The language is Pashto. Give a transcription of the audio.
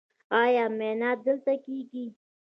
ایا معاینات دلته کیږي؟